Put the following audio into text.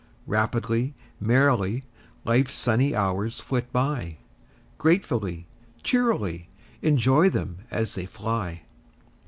Rapidly, merrily, Life's sunny hours flit by, Gratefully, cheerily Enjoy them as they fly!